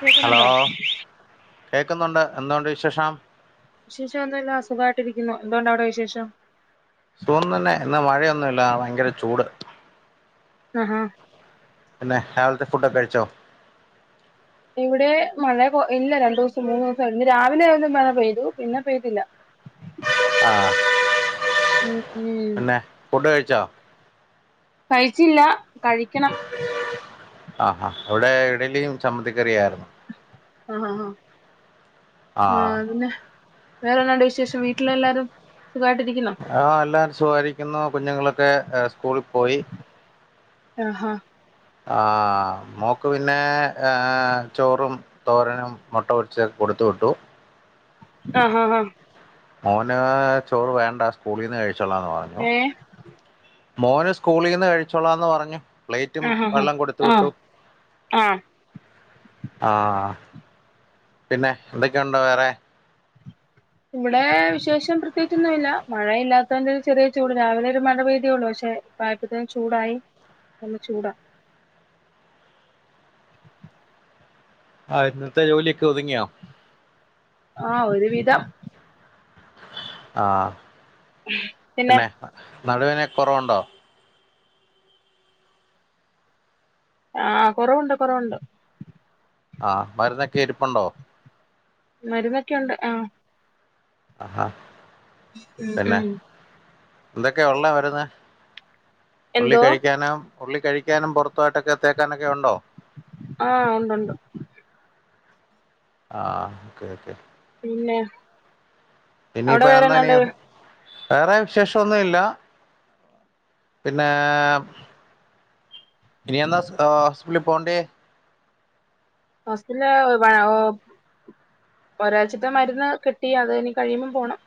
കേക്കുന്നുണ്ടോ? കേക്കുന്നുണ്ട്. എന്തുണ്ട് വിശേഷം. വിശേഷം ഒന്നുംല്ല സുഖായിട്ടിരിക്കുന്നു. എന്തുണ്ട് അവടെ വിശേഷം? സുഖം തന്നെ ഇന്ന് മഴയൊന്നുല്ല ഭയങ്കര ചൂട്. അഹാ ഹ് പിന്നെ രാവിലത്തെ ഫുഡൊക്കെ കഴിച്ചോ? ഇവിടെ മഴ പ്പൊ ഇല്ല രണ്ടുസം മൂന്ന്സം ഇന്ന് രാവിലെ ഒരു മഴ പെയ്തു പിന്നെ പെയ്തില്ല. ആഹ് ഉം ഉം പിന്നെ ഫുഡ് കഴിച്ചാ? കഴിച്ചില്ല കഴിക്കണം. ആഹാ അഒടെ ഇടിലിയും ചമ്മന്തിക്കറിയായിരുന്നു. ആഹ് ആഹ് ആഹ് ആ വേറന്താ? വേറെന്നാണ്ട് വിശേഷം വീട്ടിൽ എല്ലാരും സുഖായിട്ടിരിക്കുന്നോ? ആഹ് എല്ലാരും സുഖായിരിക്കുന്നു കുഞ്ഞുങ്ങളൊക്കെ സ്കൂളിൽ പോയി. ആഹാ ആഹ് മോക്ക് പിന്നെ ഏഹ് ചോറും തോരനും മുട്ട പൊരിച്ച് കൊടുത്തു വിട്ടു. ആഹ് ഹാ ഹ് മോന് ചോറ് വേണ്ട സ്കൂളിൽന്ന് കഴിച്ചോളാ എന്ന് പ ഏഹ് മോന് സ്കൂളിൽന്ന് കഴിച്ചോളാംന്ന് പറഞ്ഞു പ്ലേറ്റും ആഹ് ആഹ് വെള്ളം കൊടുത്ത് വിട്ടു. ആഹ് ആഹ് ആഹ് പിന്നെ എന്തൊക്കെയുണ്ട് വേറെ? ഇവിടെ വിശേഷം പ്രത്യേകിച്ചൊന്നു ഇല്ല. മഴ ഇല്ലാത്തതിന്റെ ഒരു ചെറിയ ചൂട് രാവിലെ ഒരു മഴ പെയ്തിയുള്ളു പക്ഷെ താഴ്ത്ത്ത്തേ ചൂടായി നല്ല ചൂടാ. ആഹ് ഇന്നത്തെ ജോലിയൊക്കെ ഒതുങ്ങിയോ? ആഹ് ഒരു വിധം. ആഹ് പിന്നെ നടുവേന കൊറവുണ്ടോ? ആഹ് കൊറവുണ്ട് കൊറവുണ്ട്. ആഹ് മരുന്നക്കെ ഇരിപ്പുണ്ടോ? മരുന്നക്കെയുണ്ട് ആഹ്. അഹാ ഉം ഉം എന്തക്കെയാ ഉള്ളേ മരുന്ന്? ഉള്ളി എന്തോ കഴിക്കാനും ഉള്ളി കഴിക്കാനും പൊറത്തു ആയിട്ടൊക്കെ തേക്കാനൊക്കെ ഉണ്ടോ? ആഹ് ഉണ്ട് ഉണ്ട്. ആഹ് ഓക്കെ ഓക്കെ. പിന്നെ? അവിടെ ഇനിയിപ്പ എന്നാ ഇനി വേറെന്നാണ്ട് വേറെ വിശേഷംന്നും ഇല്ല പിന്നെ. ഇനി എന്നാ സ് ഏഹ് ഹോസ്പിറ്റലിൽ പോണ്ടേ? ഹോസ്പ്പിറ്റല് [unintelligible] ഒരാഴ്ചത്തെ മരുന്ന് കിട്ടി അത് ഇനി കഴിയുമ്പോ പോണം.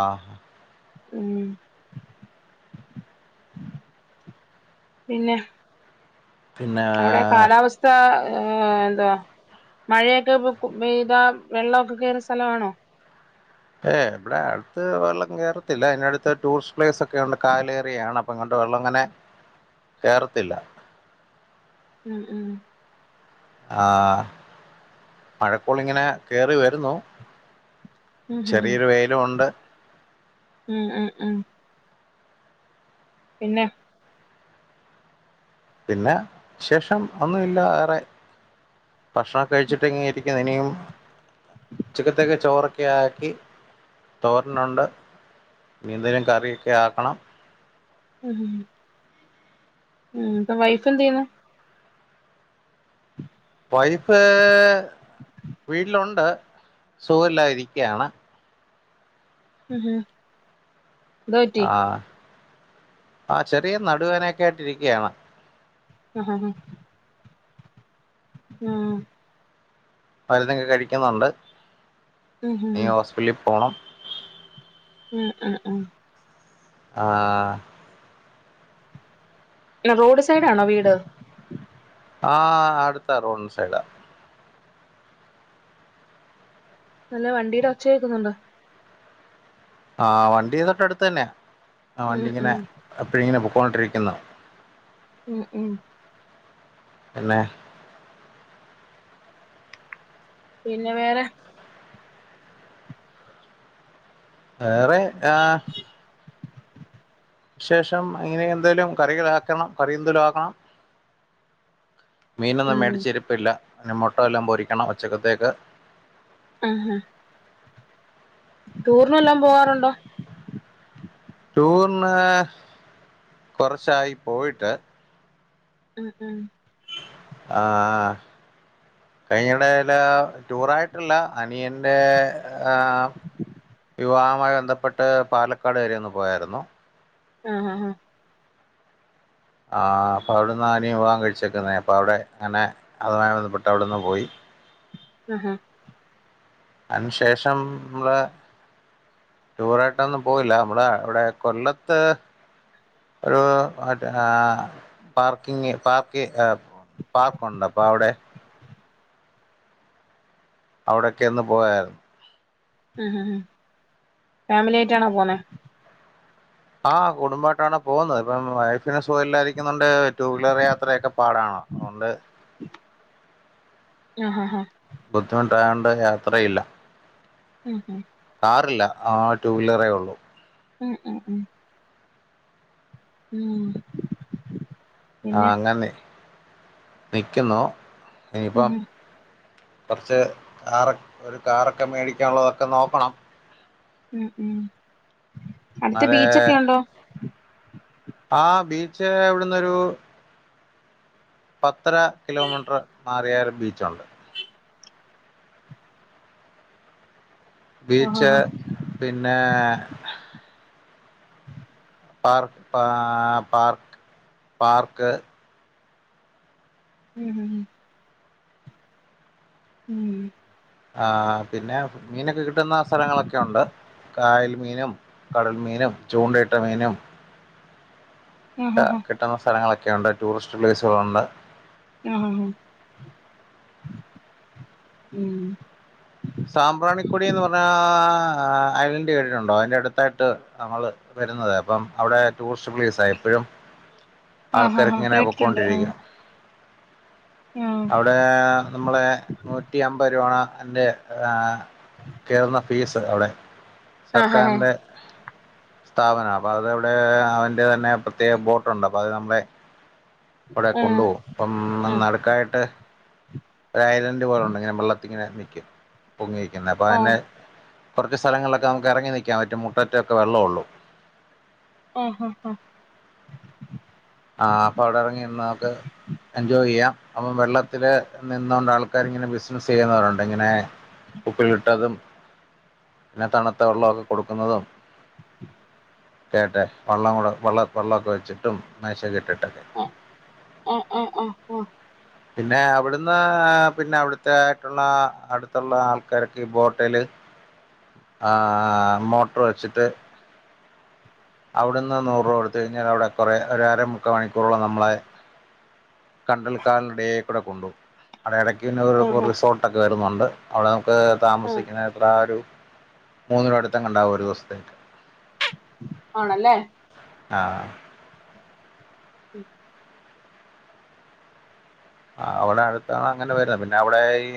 ആഹ് ഉം പിന്നെ? പിന്നെ അവടെ കാലാവസ് ത ഏഹ് എന്താ മഴയൊക്കെ പെയ്താ വെള്ളക്കെ കേറി സ്ഥലമാണോ? ഏഹ് ഇവിടെ അടുത്ത് വെള്ളം കേറത്തില്ല അതിന്റെ അടുത്ത് ടൂറിസ്റ്റ് പ്ലേസ് ഒക്കെണ്ട് കായലേരിയാണ് അപ്പൊ ഇങ്ങോട്ട് വെള്ളം അങ്ങനെ കേറത്തില്ല ഉം ഉം ആഹ് മഴക്കോളിങ്ങനെ കേറി വരുന്നു ഉം ചെറിയൊരു ഉം വെയിലും ഉണ്ട് ഉം ഉം ഉം പിന്നെ പിന്നെ വിശേഷം ഒന്നുമില്ല വേറെ ഭക്ഷണം ഒക്കെ കഴിച്ചിട്ട് ഇങ്ങിരി ഇനിയും ഉച്ചക്കത്തേക്ക് ചോറൊക്കെ ആക്കി തോരനുണ്ട് ഇനി എന്തേലും കറിയൊക്കെ ആക്കണം ഉം ഉം ഇപ്പൊ വൈഫ് എന്തു ചെയ്യുന്നു [unintelligible] വൈഫ് വീട്ടിലുണ്ട് സുഖ ഇല്ലാതെ ഇരിക്കയാണ് ഉം ഉം എന്തോ പറ്റി ആഹ്‌ ആ ചെറിയ നടുവേനൊക്കെ ആയിട്ട് ഇരിക്കയാണ് ആഹ് ഹാ ഹാ ആഹ് മരുന്നൊക്കെ കഴിക്കുന്നുണ്ട് ഉം ഉം ഉം ലിപോണം ആഹ് ആ ആഹ്‌ റോഡ് സൈഡ് ആണോ വീട് ആഹ്‌ അടുത്താ റോഡിന്റെ സൈഡാ നല്ല വണ്ടീടെ ഒച്ചകേക്കുന്നുണ്ട് ആഹ്‌ വണ്ടി തൊട്ടടുത്ത് തന്നെയാ ആ വണ്ടി ഉം ഇങ്ങനെ ഉം എപ്പഴും ഇങ്ങനെ പൊക്കണ്ടോണ്ടിരിക്ക്ന്ന് ഉം ഉം പിന്നെ പിന്നെ വേറെ വേറെ ആഹ്‌ വിശേഷം ഇങ്ങനെ എന്തേലും കറികൾ ആക്കണം കറി എന്തേലും ആക്കണം മീനൊന്നും ഉം മേടിച്ച ഇരിപ്പില്ല ഇനി മുട്ട വല്ലോം പൊരിക്കണം ഉച്ചക്കത്തേക്ക് ആഹ ടൂറിന് വല്ലോം പോവാറുണ്ടോ ടൂറിന് കൊറച്ചായി പോയിട്ട് ആഹ് ആഹ് ആഹ് കഴിഞ്ഞ ഇടയില് ടൂറായിട്ടല്ല അനിയന്റെ ആഹ് വിവാഹവുമായി ബന്ധപ്പെട്ട് പാലക്കാട് വരെ ഒന്ന് പോയാരുന്നു ആഹ് ഹാ ഹാ ആഹ് അപ്പൊ അവിടെന്നാ അനിയൻ വിവാഹം കഴിച്ചക്കുന്നേ അപ്പൊ അവിടെ അങ്ങനെ അതുമായി ബന്ധപ്പെട്ട് അവിടെ ഒന്ന് പോയി ആഹാ അയിന് ശേഷം ഇമ്മളെ ടൂറായിട്ടൊന്നും പോയില്ല നമ്മള ഇവിടെ കൊല്ലത്ത്. [unintelligible] Parking park. പാകോണ്ട് പ്പവിടെ. അവിടെക്കെ ഒന്ന് പോയായിരുന്നു. എഹ് ഏഹ് ഫാമിലിയായിട്ടാണോ പോനെ? ആഹ് കുടുംബയിട്ടാണ് പോന്നത് ഇപ്പം വൈഫിന് സുഖം ഇല്ലാായിരിക്കുന്നുണ്ട്. ടു വീലർ യാത്രയൊക്കെ പാടണ് അതുകൊണ്ട്. ആഹ്ഹ്ഹ് ബുദ്ധിമുട്ടായൊണ്ട് യാത്രയില്ല. ഉം ഹ്. കാറില്ല ആഹ് ടു വീലറെ ഉള്ളൂ. ഉം ഉം ഉം. ഉം ആഹ് പിന്നെ അങ്ങെനെ നിക്കുന്നു ഇനിയിപ്പോ ഉം ഫസ്റ്റ് കാറ ഒരു കാറൊക്കെ മേടിക്കാനുള്ളതൊക്കെ നോക്കണം ഉം ഉം അടുത്ത് അതെ ബീച്ചൊക്കെ ഉണ്ടോ ആ ബീച്ച് ഇവിടുന്നൊരു പത്തര കിലോമീറ്റർ മാറിയാ രു ബീച്ചുണ്ട് ആഹ് ബീച്ച് ആഹ് പിന്നെ പാർ പാ പാർക്ക് പാർക്ക് ഉം ഉം ഉം മ് ആ പിന്നെ മീനൊക്കെ കിട്ടുന്ന സ്ഥലങ്ങളൊക്കെ ഒണ്ട് കായല് മീനും കടൽ മീനും ചൂണ്ടയിട്ട മീനും ആഹ് ട്ടെ ആഹ് കിട്ടുന്ന സ്ഥലങ്ങളൊക്കെയുണ്ട് ടൂറിസ്റ്റ് പ്ലേസുകളുണ്ട് യാ ആഹ ആഹ് മ് സാമ്പ്രാണിക്കുടി എന്ന് പറഞ്ഞാ ഐലൻ യേ ട്ടിട്ടുണ്ടോ അതിന്റെ അടുത്തായിട്ട് നമ്മള് വരുന്നത് അപ്പം അവിടെ ടൂറിസ്റ്റ് പ്ലേസാ എപെഴും ആഹ് ആഹ് ആൾക്കാർക്കിങ്ങനെ കേട്ടിട്ടുണ്ട് ആഹ് പോക്കൊണ്ടിരിക്കും അവിടെ നമ്മളെ നൂറ്റി അമ്പ രൂപന്റെ ഏഹ് കേറുന്ന ഫീസ് അവിടെ ആഹ് സർക്കാറി ആഹ് ന്റെ സ്ഥാപന അപോം അവിടെ എവിടെ അവന്റെ തന്നെ പ്രത്യേക ബോർ ട്ടു ണ്ട് അപ്പ അത് നമ്മേ അവിടെ ആഹ് കൊണ്ടുപോകും പ്പം ആഹ് നടക്കായിട്ട് ഒരു ഐലൻറ് പോലെ ഉണ്ട് ടായ്‌ലന്റ് പോയ്‌ ഇങ്ങനെ വെള്ളത്തിങ്ങനെ നിക്കും പൊങ്ങി നിക്കുന്നത് അപ്പോഅന്നെ കുറച്ച് സ്ഥലങ്ങൾലൊക്കെ നമുക്ക് ഇറങ്ങി നിക്കാൻ പറ്റും മുട്ടറ്റൊക്കെ വെള്ള ഒള്ളൂ ഒ ഹ ഹ ആഹ് അപ്പൊ അവിടെ ഇറങ്ങിനി ന്നാക് എൻജോയ് ചെയ്യാം അപ്പം എജോയ് എജോയ് യാ അപ്പം വെള്ളത്തില് നിന്നോണ്ട് ആൾക്കാർ ഇങ്ങനെ ബിസിനസ്സ് ചെയ്യുന്നവരുണ്ട് ഇങ്ങനെ ഉപ്പിലിട്ടതും പിന്നെ തണുത്ത വെള്ളമൊക്കെ കൊടുക്കുന്നതോ കേട്ടെ വള്ളം കൂടെ വള്ള വെള്ളമൊക്കെ വെച്ചിട്ടും മേശക ഇട്ടിട്ടൊക്കെ ഉ ആഹാ ആഹാ ആഹാ പിന്നെ അവിടുന്ന് പിന്നെ അവിടുത്തെ ആയിട്ടുള്ള അടുത്തുള്ള ആൾക്കാരൊക്കെ ഈ ബോട്ടെൽ ആഹ് മോട്ടർ വെച്ചിട്ട് അവിടുന്ന് നൂറ് രൂകൊടുത്തഴിഞ്ഞാ അവിടെ കുറെ അര മുക്ക മണിക്കോറള്ളം മ്മളെ കണ്ടൽക്കാലടെ കൂടെ കൊണ്ടുഉ അവടെ ഇടയ്ക്ക്ന്നത് ആഹ് ആഹ് റിസോർ ക്കെ വരുന്നുണ്ട് അവിടെ നമുക്ക് ആഹ് താമസിക്കണ അ ഒരു മൂന്നിന് അടുത്തക്കെ ണ്ടാകും ഒരു ദിവസത്തേക്ക് ആണല്ലേ ആഹ് ഉം ആ അവിടെ അടുത്താണ് അങ്ങനെ വര പിന്നെ അവിടെ ഈ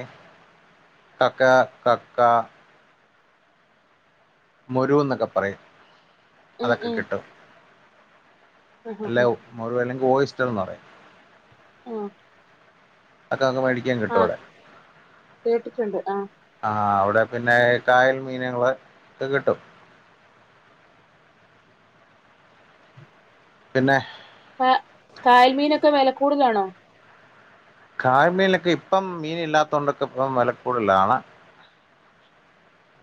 കക്ക കക്ക മൊരു എന്നൊക്കെ പറയും ഉം അതൊക്കെ ഉം കിട്ടും ആഹ് അല്ല ആഹ് മൊരു അല്ലങ്കി ഓയിസ്റ്റർ എന്ന് പറയും ആഹ് അക്കെ അങ്ങ് മേടിക്കാൻ കിട്ടു ആഹ് അവടെ കേട്ടിട്ടുണ്ട് ആഹ് ആഹ് അവടെ പിന്നെ കായല് മീനുകള് കിട്ടും പിന്നെ കാ കായൽമീനൊക്കെ വില കൂടുതലാണോ കായല് മിനൊക്കെ ഇപ്പം മീനില്ലാത്ത കൊണ്ടൊക്കെ ഇപ്പം വെല കൂടുതലാണ്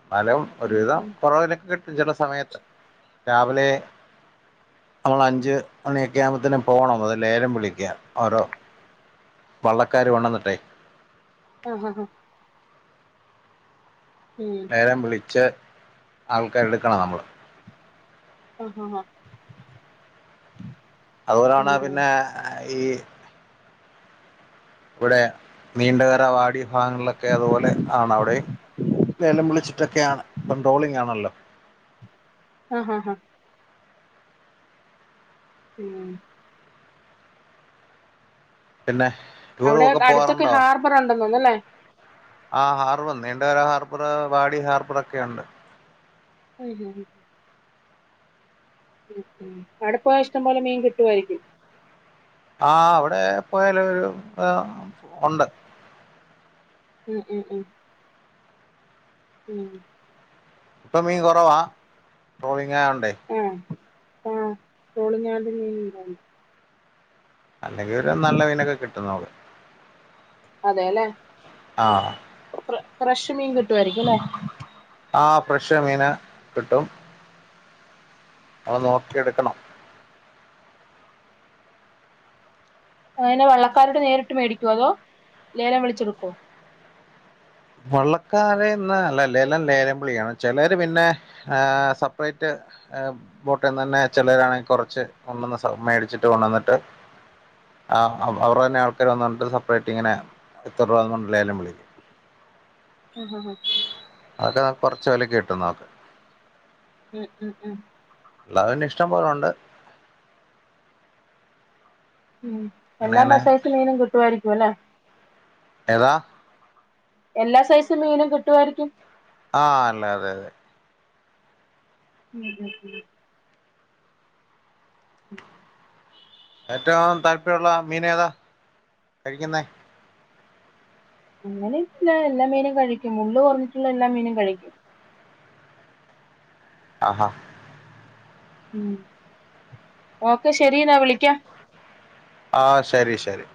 ന്നാലും ഒരുവിധം കുറവിലൊക്കെ കിട്ടും ചില സമയത്ത് രാവിലെ നമ്മൾ അഞ്ച് മണിയൊക്കെ ആകുമ്പോത്തന്നും പോണം അതി ലേലം വിളിക്കൻ ഓരോ വള്ളക്കാർ വണ്ണംന്നിട്ടെ ആ ആ ആഹ് ഉം വിളിച്ച് ആൾക്കാർ എടുക്കണം നമ്മള് ആഹ് ആഹ് അതുപോലെയാണ് ഉം പിന്നെ ഈ ഇവിടെ നീണ്ട കറ വാടി ഭാഗങ്ങളിലൊക്കെ അതുപോലെ ളൊക്കെ അത്പോലെ ആണ് അവിടെ ലേലം വിളിച്ചിട്ടൊക്കെയാണ് പൺട്രോളിംഗ ആണല്ലോ ആഹ് ആഹ് ഹാ ഉം പിന്നെ ടൂറും അവിടെ ഒക്കെ അടുത്തൊക്കെ പോവാറുണ്ടോ ഹാർബർ അണ്ടന്നോന്നല്ലേ ആ ഹാർബർ നീന്റെ വേ ഹാർബർ വാടി ഹാർബർ ഒക്കെ ഇണ്ട് ഉം ഉം അടപ്പ ഇഷ്ടം പോലെ മീൻ കിട്ടുവായിരിക്കും ആ അവിടെ പോയാല ഒരു ഉണ്ട് ഉം ഉം ഉം ഉം ഇപ്പൊ മീൻ കുറവാ ട്രോളിങ് ആണ്ടേ ആ ആഹ് ട്രോളിങ് ആയോണ്ട് മീൻ അല്ലെങ്കി ഒരു നല്ലതിനൊക്കെ കിട്ടും നോക്ക് അതെല്ലെ ഫ്രഷ് മീൻ കിട്ടുായിരിക്കുംല്ലേ ആ ഫ്രഷ് മീന കിട്ടും അത് നോക്കിെടുക്കണം അങ്ങനെ വള്ളക്കാരോട് നേരിട്ട് മേടിക്കോ അതോ ലേലം വിളിച്ചെടുക്കുവോ വള്ളക്കാരന്ന് അല്ല ലേലം ലേലംപളിയാണ് ചിലർ പിന്നെ സെപ്പറേറ്റ് ബോട്ട നിന്ന് തന്നെ ചിലരാണെങ്ക കുറച്ച് കൊണ്ടന്ന് മേടിച്ചിട്ട് കൊണ്ടുവന്നിട്ട് ആ അവരുടെ തന്നെ ആൾക്കാര് വന്നുകിട്ട സപ്പറേറ്റ് ഇങ്ങന എത്തൂന്ന് പറഞ് ലേലം വിളി [unintelligible] അതക്ക് കുറച്ച പോല കട്ട നോക് ഉം ഉം ഉം ലവിന്റെ ഇഷ്ടം പോല ഒണ്ട് ഉം എല്ലാ അങ്ങനെങ്ങനെ മസായസും മീനും കിട്ടായിരിക്കും അല്ലേ എതാ എല്ലാ സൈസും മീനും കിട്ടുമായിരിക്കും ആഹ് അല്ലെ അതെ അതെ [inaudible] ഏറ്റവും താല്പര്യമുള്ള മീനേതാ കഴിക്കുന്നേ അങ്ങനെ വെച്ച എല്ലാ മീനും കഴിക്കും മുള്ള് കുറഞ്ഞിട്ടുള്ള എല്ലാ മീനും കഴിക്കും ആഹാ ഉം ഓക്കെ ശെരിന്നാ വിളിക്കാം ആഹ് ശരി ശരി